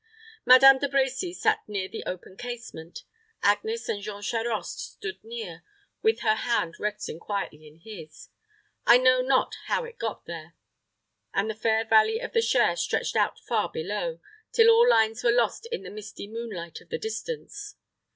Madame De Brecy sat near the open casement; Agnes and Jean Charost stood near, with her hand resting quietly in his I know not how it got there and the fair valley of the Cher stretched out far below, till all lines were lost in the misty moonlight of the distance.